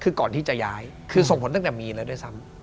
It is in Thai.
คือก่อนที่จะย้ายคือส่งผลตั้งแต่มีแล้วด้วยซ้ำ